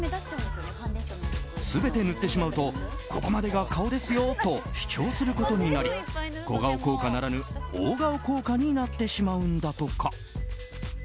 全て塗ってしまうとここまでが顔ですよ！と主張することになり小顔効果ならぬ大顔効果になってしまうんだとか。